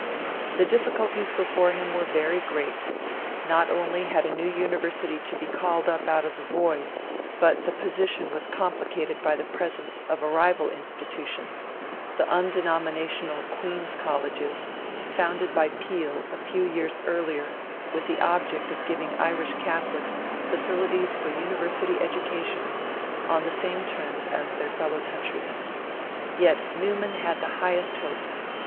The difficulties before him were very great; not only had a new University to be called up out of the void, but the position was complicated by the presence of a rival institution the undenominational Queen's Colleges, founded by Peel a few years earlier with the object of giving Irish Catholics facilities for University education on the same terms as their fellow countrymen. Yet Newman had the highest hopes.